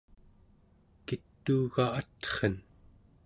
kituuga atren?